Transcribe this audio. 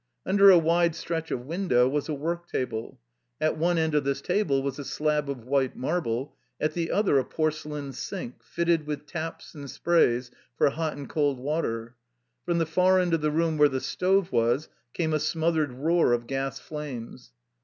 Under a wide stretch of window was a work table. At one end of 37 THE COMBINED MAZE this table was a slab of white marble; at the other a porcelain sink fitted with taps and sprays for hot and cold water. Prom the far end of the room where the stove was came a smothered roar of gas flames.